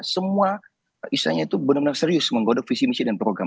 semua istilahnya itu benar benar serius menggodok visi misi dan program